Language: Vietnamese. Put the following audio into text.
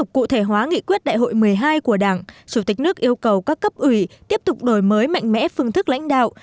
cụ thể hóa nghị quyết đại hội một mươi hai của đảng chủ tịch nước yêu cầu các cấp ủy tiếp tục đổi mới mạnh mẽ phương thức lãnh đạo